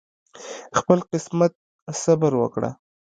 خپل قسمت صبر وکړه